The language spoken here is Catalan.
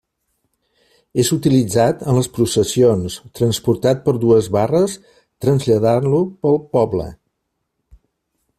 És utilitzat en les processions, transportat per dues barres, traslladant-lo pel poble.